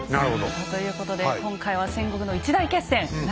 さあということで今回は戦国の一大決戦長篠の戦い。